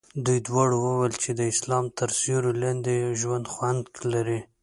دوی دواړو ویل چې د اسلام تر سیوري لاندې ژوند خوند لري.